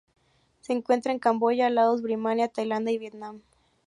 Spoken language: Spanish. Se encuentra en Camboya, Laos, Birmania, Tailandia y Vietnam.